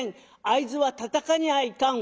会津はたたかにゃいかん。